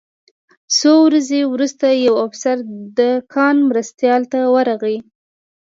څو ورځې وروسته یو افسر د کان مرستیال ته ورغی